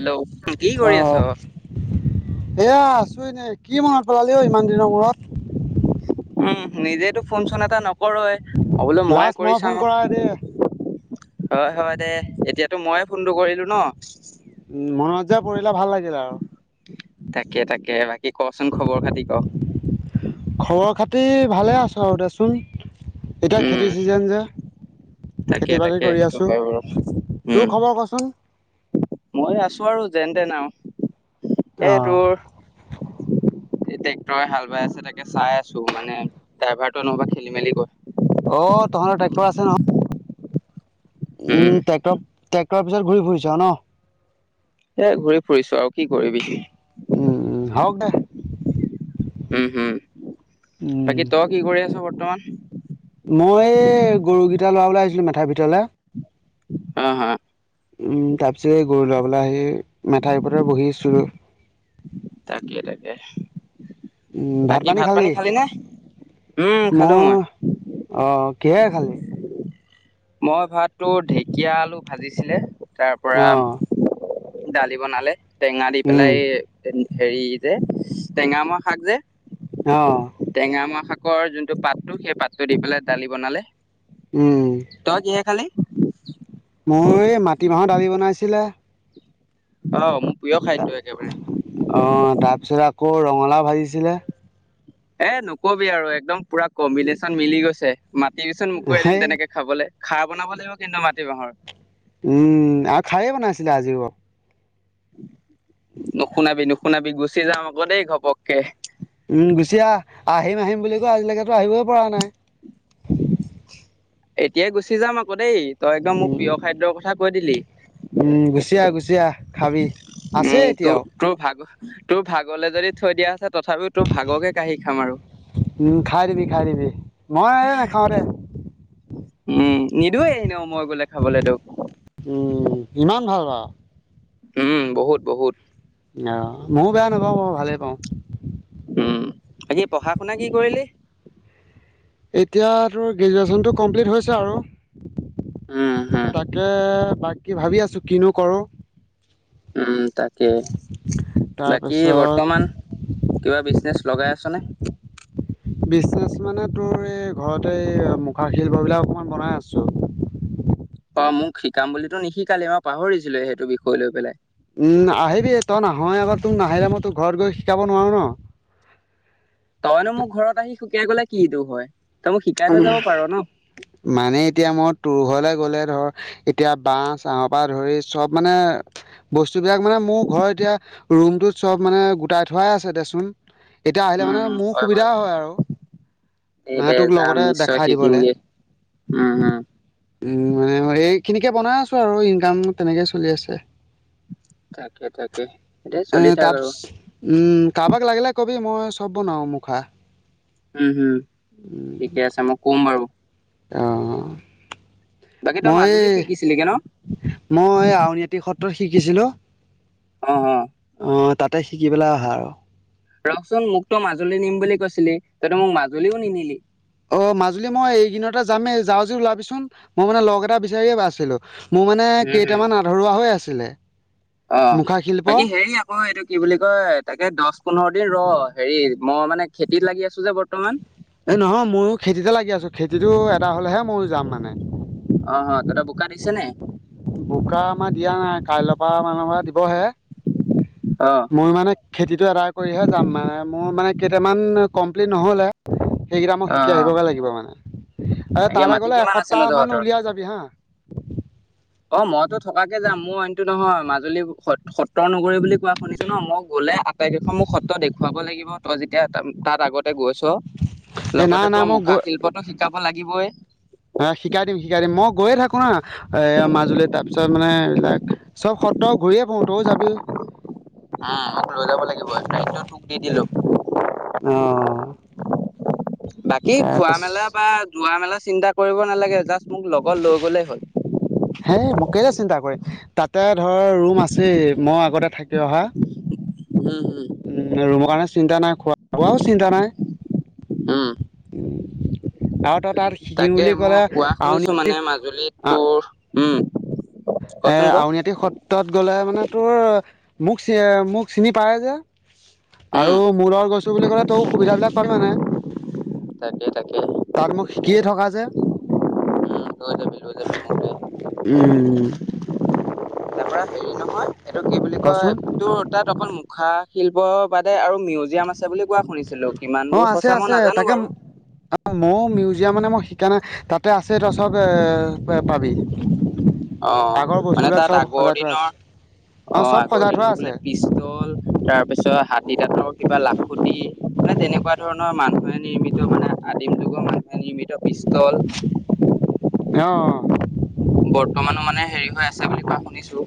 হেল্ল'।কি অ কৰি আছ? এয়া আছো এনে। কি মনত পেলালি অ' ইমান দিনৰ মূৰত। উম, নিজেইেতটো ফোন-চোন এটা নকৰয়। অ', বোলো মইয়ে লাষ্ট কৰি মই ফোন চাওঁ‌, কৰা দে হয় হয়। দে এতিয়াতো ময়ে ফোনটো কৰিলো ন? উম, মনত যে পৰি়লে ভাল লাগে। তাকে, তাকে বাকী কচোন খবৰ খাতি ক? খবৰ-খাতি ভালে আছ আৰু দেচোন। এতিয়া উম খেতিৰ চিজন যে। তাকে খেতি বাতি তাকে কৰি সেইটো আছো হয় বাৰু। তোৰ উম। খবৰ কচোন মই আছো আৰু যেন তেন আৰু অ এই ট্ৰেক্টৰে হাল বাই আছে তাকে চাই আছো মানে ।ড্ৰাইভাৰটো নহবা খেলি মেলি কৈ অ' তহঁতৰ ট্ৰেক্টৰ আছে নহয়? উম ট্ৰেক্টৰৰ ট্ৰেক্টৰৰ পিছত ঘূৰি ফুৰিছ ন। এ ঘূৰি ফুৰিছো আৰু কি কৰিবি। উম হ দো উম হম। বাকী তই কি কৰি আছ বৰ্তমান? মই গৰুকেইটা লৰাবলৈ আহিছিলোঁ মেথাৰ ভিতৰলৈ। অ' হা উম তাৰ পিছত এই গৰু লৰাবলৈ আহি মেঠাই পৰৰ বহিছো। তাকে তাকে। ভাত বাকী পানী খাল দেই খালি নে উম খালো মই অ'। কিহেৰে খালি? মই ভাতটো ঢেকীয়া আলু ভাজিছিলে তাৰ পৰা অঁ দালি বনালে টেঙা দি উম পেলাই। হেৰি যে টেঙামৰা শাক যে অঁ টেঙ মোৱা শাকৰ যোনটো পাতটো সেই পাতটো দি পেলাই দালি বনালে। উম তই কিহে খালি? মই এই মাটিমাহৰ দালি বনাইছিলে। অ' প্ৰিয় খাদ্য একেবাৰে অ' তাৰপিছত আকৌ ৰঙালাও ভাজিছিলে। এ নকবি আৰু একদম পুৰা কম্বিনেশ্যন মিলি গৈছে। মাটি পিচোন মকৰা দিম সেই তেনেকে খাবলৈ খাৰ বনাব লাগিব কিন্তু মাটি বাহৰ উম আৰু খাইেই বনাইছিলে আজিও আ নুশুনাবি নুশুনাবি গুচি যাম আকৌ দেই ঘপককে। উম গুচি আহ আহিম আহিম বুলি কওঁ আজিলৈকেতো আহিবই পৰা নাই। এতিয়াই গুচি যাম আকৌ দেই। তই একম মোৰ উম প্ৰিয় খাদ্যৰ কথা কৈ দিলি। উম গুচ আহা গুচি আহ খাবি। উম আছে তোৰ এতিয়াও তোৰ ভাগ তোৰ ভাগলৈ যদি থৈ দিয়া আছে। তথাপিও তোৰ ভাগকে কাঢ়ি খাম আৰু উম খাই দিবি, খাই দিবি মই নাই নেখাওঁৰে উম নিদয়ে আহ নও মই গলে খাবলৈ তেওঁোক উম ইমান ভাল বাৰু উম বহুত বহুত। আহ ময়ো বেয়া নাপাওঁ অ' ভালে পাওঁ। আজি পঢ়া-শুনা কি কৰিলি? এতিয়া তোৰ গ্ৰেজুৱেচনটো কমপ্লিট হৈছে আৰু! উম হম তাকে, বাকী ভাবি আছো কিনো কৰো? উম, তাকে। বাকী তাৰপিছত বৰ্তমান কিবা বিজনেছ? লগাই আছনে? বিজনেচ মানে, তোৰ এই ঘৰতে এই মুখাৰ শিল্পবিলাক অকমান বনাই আছো। অ' মোক শিকাম বুলিতো নিশিকালি! মই পাহৰিছিলো সেইটো বিষয় লৈ পেলাই। উম, আহিবি তই নাহয়ে আকৌ! তোক নাহিলে মই তোৰ ঘৰত গৈ শিকাব নোৱাৰো ন? [inaudible] তইনো মোক ঘৰত আহি শিকাই গ'লে কিটো হয়! তই মোক শিকাই থৈ যাব পাৰ ন! মানে এতিয়া মই তোৰ ঘৰলৈ গ'লে ধৰ, এতিয়া বাঁহ-চাহৰ পৰা ধৰি চব মানে বস্তুবিলাক মানে মোৰ ঘৰত এতিয়া ৰুমটোত, চব মানে গোটাই থোৱাই আছে দেচোন। এতিয়া আহিলে মানে মোৰ সুবিধা হয় আৰু! এ মানে দে তোক যাম লগতে নিশ্চয় দেখাই দিবলে শিকিমগে। উম, হুম। উম মানে এইখিনিকে বনাই আছোঁ আৰু, ইনকাম তেনেকে চলি আছে। তাকে তাকে এতিয়া চলি থাক তাপছ আৰু উম! কাৰোবাক লাগিলে কবি, মই চব বনাওঁ মুখা। উম হুম। ঠিকে আছে মই কম বাৰু। অ'। বাকী তই মই মাজুলী এই, শিকিছিলিগে ন? মই আউনীআটি সত্ৰত শিকিছিলোঁ। অ' হ অ' তাতে শিকি পেলাই অহা আৰু। ৰখচোন মোকতো মাজুলী নিম বুলি কৈছিলি! তইতো মোক মাজুলীও নিনিলি। অ' মাজুলী মই এইকিদিনতে যামেই। যাৱ যদি ওলাবিচোন, মই মানে লগ এটা বিচাৰিয়ে আছিলোঁ। মোৰ মানে উম, হুম, কেইটামান আধৰুৱা হৈ আছিলে। অ', মুখা শিল্প বাকী হেৰি আকৌ এইটো কি বুলি কয় তাকে দশ পোন্ধৰ দিন ৰ। হেৰি মই মানে খেতিত লাগি আছোঁ যে বৰ্তমান। এই নহয় মইয়ো খেতিতে লাগি আছোঁ, খেতিটো এদাই হ'লেহে মইও যাম মানে। অ' অ' তহঁতৰ বোকা দিছে নে? বোকা আমাৰ দিয়া নাই, কাইলৰ পৰা মানৰ পৰা দিবহে। অ', মই মানে খেতিটো এদায় কৰিহে যাম মানে, মোৰ মানে কেইটামান কমপ্লিট নহ'লে। সেইকেইটা মই অ', শিকি অ'। আহিবগৈ লাগিব মানে। এ তাকে তালৈ মাটি গ'লে কিমান আছেনো এসপ্তাহ মান তহঁতৰ? উলিয়াই যাবি হা। অ' মইতো থকাকে যাম। মোৰ অইনটো নহয়, মাজুলী সত্ৰৰ নগৰী বুলি কোৱা শুনিছা ন! মই গ'লে আটাইকেইখন সত্ৰ মোক দেখুৱাব লাগিব। তই যেতিয়া তাত আগতে গৈছ এ নাই লগতে নাই তোৰ মুখা শিল্পতো শিকাব লাগিবই। অ' শিকাই দিম শিকাই দিম। মই গৈয়ে থাকো ন, এ মাজুলীত তাৰ পিছত মানে এইবিলাক, চব সত্ৰ ঘূৰিয়ে ফুৰো তয়ো যাবি। অ' মোক লৈ যাব লাগিব, দায়িত্ব তোক দি দিলো। অ বাকী তাৰপাছ খোৱা-মেলা বা যোৱা-মেলা। চিন্তা কৰিব নালাগে। জাষ্ট মোক লগত লৈ গ'লেই হ'ল। হে মই কেলে চিন্তা কৰিম! তাতে ধৰ ৰুম আছেই মই আগতে থাকি অহা। উম উম ৰুমৰ কাৰণে চিন্তা নাই, খোৱা-খোৱাও চিন্তা নাই। উম উম উ আৰু তাত তাত শিকিম তাকে বুলি মই ক'লে কোৱা শুনিছো মানে আউনীআটি মাজুলীত তোৰ উম এ কচোন ক আউনীআটি সত্ৰত গ'লে মানে তোৰ মোক, মোক চিনি পায় যে। উম আৰু মোৰ লগত গৈছো বুলি ক'লে তইয়ো সুবিধাবিলাক পাবি মানে! তাকেই তাকেই। কি থকা যে, লৈ যাবি লৈ যাবি মোক দেই উম! [unintelligible] তাৰ পৰা হেৰি নহয় এইটো কি বুলি কয় কচোন তোৰ তাত অক মূ খা শিল্প বাদে আৰু মিউজিয়াম আছে বুলি কোৱা শুনিছিলো কিমান অ দূৰ আছে সঁচা মই আছে নাজানো তাকে বাৰু মই মিউজিয়াম মানে মই শিকা নাই তাতে আছে তই এ চব পাবি। অ আগৰ মানে বস্তুবিলাক তাত চব আগৰ সজাই থোৱা দিনৰ আছে অ চব আগৰ সজাই থোৱা দিনৰ আছে বোলে পিষ্টল, তাৰপিছত তিতাঁতৰ কিবা লাফুটি মানে তেনেকুৱা ধৰণৰ মানুহে নিৰ্মিত মানে আদিম যুগৰ নিৰ্মিত পিষ্টল, অ বৰ মান মানে হেৰি হৈ আছে বুলি কোৱা শুনিছোঁ।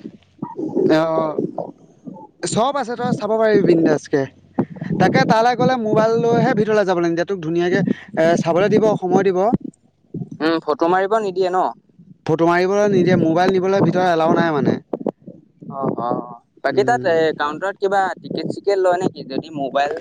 তেওঁ চব আছে তই চাব পাৰিবি বিন্দাস কে, তাকে তালৈ গ'লে মোবাইল লৈহে ভিতৰলৈ যাব নিদিয়ে তোক ধুনীয়াকে এ চাবলৈ দিব সময় দিব উম ফটো মাৰিব নিদিয়ে ন ফটো মাৰিবলৈ নিদিয়ে, মোবাইল নিবলৈ ভিত ৰ এলাও নাই মানে। অ অ বাকী তাত উম এ কাউন্টাৰত কিবা টিকেট চিকেট লয় নে কি, যদি মোবাইল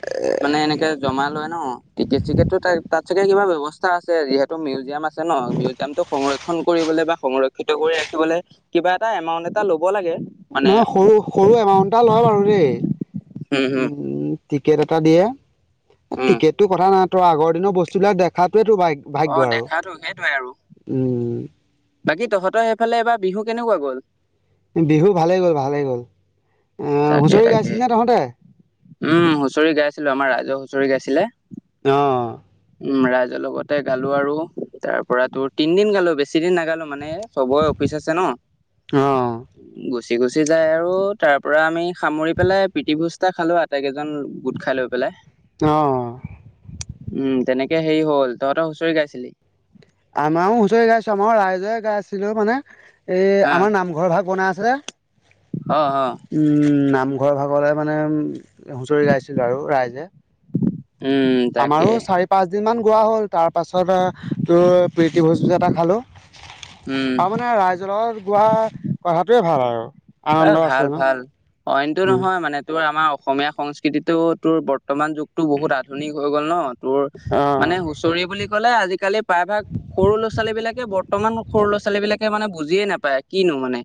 মানে এনেকে জমা লয় ন টিকেট চিকেটটো ত তাত চাগে কিবা ব্যৱস্থা আছে যিহেতু মিউজিয়াম আছে ন মিউজিয়ামটো সংৰক্ষণ কৰিবলে বা সংৰক্ষিত কৰি ৰাখি খিবলে কিবা এটা এমাউন্ট এটা লব লাগে। মানে নহয় সৰু সৰু এমাউন্ট এটা লয় বাৰু দেই উম। টিকেট এটা দিয়ে, এ উম টিকেটটো কথা নাই তই আগৰ দিনৰ বস্তু বিলাক দেখাত সেইটো ভাগ অ ভাগ্য আৰু দেখাতো সেইটোৱে আৰু উম। বাকী তহঁতৰ সেইফালে এবাৰ বিহু কেনেকুৱা গ'ল? বিহু ভালেই গ'ল ভালেই গ'ল, আহ তাকে হুঁচৰি তাকে গাইছিল নে তহঁতে? উম হুঁচৰি গাই আছিলো আমাৰ ৰাইজে হুঁচৰি গাইছিলে। অহ। উম ৰাইজৰ লগতে গালো আৰু তাৰ পৰা তোৰ তিনদিন গালো বেছিদিন নাগালো। মানে চবৰে অফিচ আছে ন। অ গুচি গুচি যায় আৰু তাৰ পৰা আমি সামৰি পেলাই প্ৰীতিভোজ এটা খালো আটাইকেইজন গোট খাই লৈ পেলাই। অ। উম তেনেকে হেৰি হ'ল তহঁতৰ হুঁচৰি গাইছিলি। আমাৰো হুঁচৰি গাইছো আমাৰ ৰাইজৰে গাই আছিলো মানে এ হা আমাৰ নামঘৰ ভাগ বনাই আছে। অ অ উম নামঘৰৰ ভাগলৈ মানে উম হুঁচৰি গাইছিলো আৰু ৰাইজে। উম আমাৰো তাকে চাৰি পাঁচ দিন মান গোৱা হ'ল। তাৰপাছত তোৰ প্ৰীতি ভোজ এটা খালোঁ। উম আৰু মানে ৰাইজৰ লগত গোৱা কথাটোয়ে ভাল আৰু। এ আনন্দ আছে ভাল ন ভাল অইনটো উম নহয় মানে তোমাৰ আমাৰ অসমীয়া সংস্কৃতিটো তোৰ বৰ্তমান যুগটো বহুত আধুনিক হৈ গ'ল ন। তোৰ আহ মানে হুচৰি বুলি ক'লে আজিকালি প্ৰায়ভাগ সৰু ল'ৰা - ছোৱালীবিলাকে বৰ্তমান সৰু ল'ৰা- ছোৱালীবিলাক মানে বুজিয়ে নাপায় কিনো মানে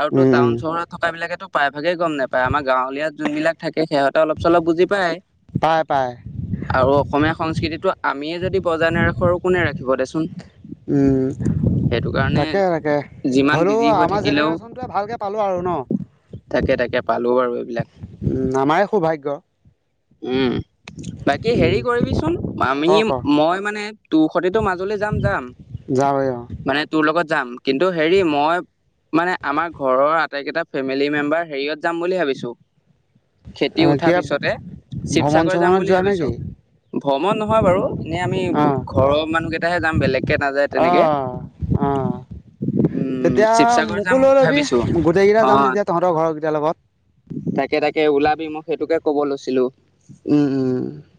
আৰু ত উম টাউন উম চা উনত থকা বিলাকেতো প্ৰায়ভাগেই গম নাপায় আমাৰ গাৱলীয়াত যোনবিলাক থাক সিহঁতে অলপ চলপ বুজি পায় পাই পাই আৰু অসমীয়া সংস্কৃতিটো আমিয়ে যদি বজায় নেৰাখো আৰু কোনে ৰাখিব দেচোন। উম সেইটো কাৰণে তাকে তাকে যিমান হলেও বিজি হৈ আমাৰ থাকিলেও জেনেৰেশ্যন টোৱে ভালকে পালো আৰু ন তাকে তাকে পালো বাৰু এইবিলাক। উম আমাৰ সৌভাগ্য। উম বাকী উম হেৰি কৰিবিচোন আমি ক ক মই মানে তোৰ সতেতো মাজুলী যাম যাম, যাবই অ মানে তোৰ লগত যাম কিন্তু হেৰি মই মানে আমাৰ ঘৰৰ আটাইকেইটা ফেমিলি মেম্বাৰ হেৰিয়ত যাম বুলি ভাবিছো। খেতি উঠাৰ কিবা পিছতে ভ্ৰমণ শিৱসাগৰ যাম চমনত বুলি যোৱা ভাবিছো। নেকি ভ্ৰমণ নহয় বাৰু এনে আমি অ ঘৰৰ মানুহ কেইটাহে যাম বেলেগকে নাযায় অ তেনেকে। অ । [inaudible] তেতিয়া মোকো লৈ লবি ভাবিছো গোটেই কেইটা অ যাম তেতিয়া তহঁতৰ ঘৰ কেইটাৰ লগত। তাকে তাকে ওলাবি মোক সেইটোকে ক'ব লৈছিলো। উম উম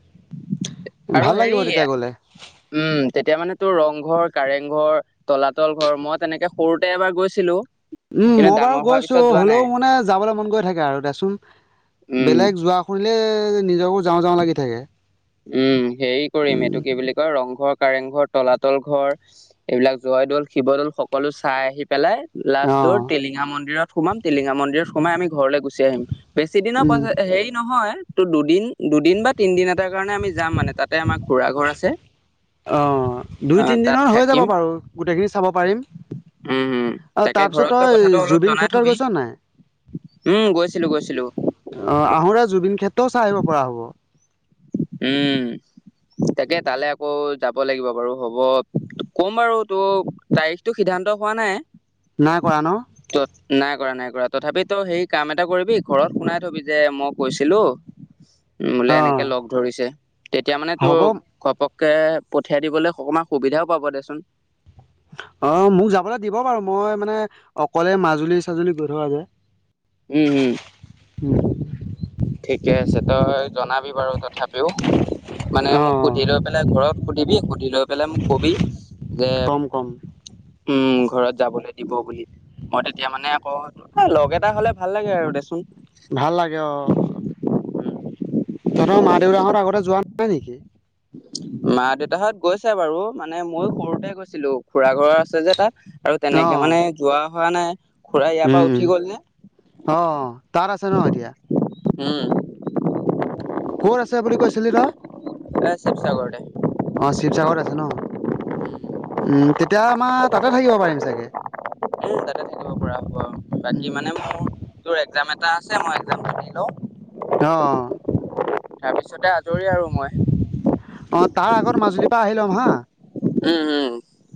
আৰু ভাল হেৰি লাগিব তেতিয়া গ'লে উম। তেতিয়া মানে তোৰ ৰংঘৰ কাৰেংঘৰ তলাতল ঘৰ মই তেনেকে সৰুতে এবাৰ গৈছিলো। উম কিন্তু মই বাৰু ডাঙৰ হোৱাৰ গৈছো। পিছত যোৱা নাই হলেও মানে যাবলৈ মন গৈ থাকে আৰু দেচোন উম বেলেগ যোৱাহৈ। নিজকো যাওঁ যাওঁ লাগি থাকে। উম হেৰি কৰিম উম এইটো কি বুলি কয় ৰংঘৰ। কাৰেং ঘৰ তলাতল ঘৰ এইবিলাক জয়দল শিৱদ'ল সকলো চাই আহি পেলাই। লাষ্টৰ অঁ টিলিঙা মন্দিৰত সোমাম টিলিঙা মন্দিৰত সোমাই আমি ঘৰলৈ গুচি আহিম। বেছি দিনৰ পই উম হেৰি নহয় ত দুদিন দুদিন বা তিনিদিনত তাৰ কাৰণে আমি যাম মানে তাতে আমাৰ খুৰা ঘৰ আছে। অ, অ তাত দুই-তিনিদিনৰ হৈ যাব থাকিম বাৰু গোটেইখিনি চাব পাৰিম। উম উম অ, তাকে তাৰপিছত ঘৰত কথাটো তই অলপ জুবিন জনাই ক্ষেত্ৰ থবি গৈছ নাই? উম গৈছিলো গৈছিলো আহ, আহোতে জুবিন ক্ষেত্ৰও চাই আহিব পৰা হ'ব। উম। তাকে, তালে আকৌ যাব লাগিব বাৰু হ'ব ক'ম বাৰু তো তাৰিখটো সিদ্ধান্ত। হোৱা নাই। নাই কৰা ন? ত নাই কৰা, নাই কৰা তথাপি তই সেই কাম এটা কৰিবি ঘৰত শুনাই থবি যে মই কৈছিলো? বোলে অঁ এনেকে লগ ধৰিছে, তেতিয়া মানে তোৰ হ'ব ঘপক কে পঠিয়াই দিবলৈ অকমান সুবিধাও পাব দেচোন। অ, মোক যাবলৈ দিব বাৰু মই মানে অকলে মাজুলী-চাজুলী গৈ থকা যে। উম, উম। হম। [inaudible] ঠিকে আছে তই জনাবি বাৰু তথাপিও। মানে মোক অঁ সুধি লৈ পেলাই ঘৰত সুধিবি সুধি লৈ পেলাই মোক কবি যে উ। [inaudible] উম, ঘৰত যাবলৈ দিব বুলি। মই তেতিয়া মানে আকৌ লগ এটা হলে ভাল লাগে আৰু দেচোন। ভাল তহতৰ মা দেউতাহঁৰ আগতে যোৱা নাই নেকি? মা-দেউতাহত গৈছে বাৰু মানে ময়ো সৰুতে গৈছিলো খুৰা ঘৰ আছে যে তাত। আৰু তেনেকে অঁ মানে যোৱা হোৱা নাই। খুৰা ইয়াৰ পৰা উম, উঠি উম, গল যে অ, তাত আছে ন এতিয়া? উম। ক'ত আছে বুলি কৈছিলি তই? এ শিৱসাগৰতে অ, শিৱসাগৰত আছে ন? উম তেতিয়া আমাৰ তাতে থাকিব পাৰিম চাগে। উম, তাতে থাকিব পৰা হ'ব আৰু বাকি উম মানে মোৰ তোৰ একজাম এটা ম এটা দি লওঁ। অ [unintelligible] তাৰপিছতে আজৰি আৰু মই। অ, তাৰ আগত মাজুলীৰ পৰা আহি ল'ম হা। উম, উম।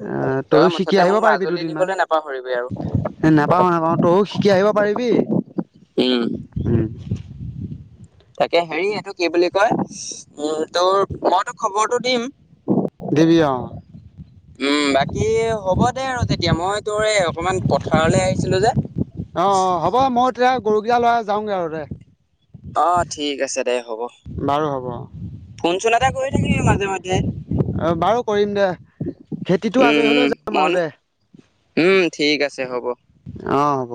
অ, তই তইও শিকি মুঠতে আহিব মোক পাৰিবি মাজুলী দুদিনমান। নিবলৈ নাপাহৰিবি আৰু নাপাও, নাপাও, তইয়ো কি আহিব পাৰিবি। উম। উম তাকে হেৰি এইটো কি বুলি কয় উ তোৰ মইতো খবৰটো দিম। দিবি অ উ। উম, বাকী হ'ব দে আৰু এতিয়া। মই তোৰ এই অকমান পথাৰলৈ আহিছিলো যে । অ, অ, হ'ব মই তেতিয়া গৰুকেইটা লৈ যাওঁগে আৰু দে। অ, ঠিক আছে। দে হ'ব। বাৰু হ'ব ফোন-চোন এটা কৰি থাকিবি মাজে মাজে। অ, বাৰু কৰিম দে। খেতিটো উম আজৰি হৈ উম লৈ যাম মন আৰু দে। উম, ঠিক আছে হ'ব। অঁ, হ'ব।